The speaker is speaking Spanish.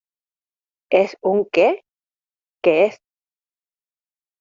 ¿ Es un qué? ¿ qué es ?